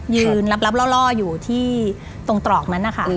ยืนรับล่ออยู่ที่ตรอกนั้นค่ะ